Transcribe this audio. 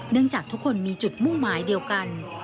จากทุกคนมีจุดมุ่งหมายเดียวกัน